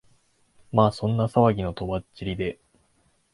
まあそんな騒ぎの飛ばっちりで、